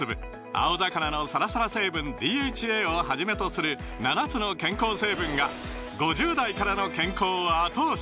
青魚のサラサラ成分ＤＨＡをはじめとする７つの健康成分が５０代からの健康を後押し！